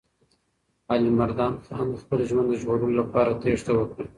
علیمردان خان د خپل ژوند د ژغورلو لپاره تېښته وکړه.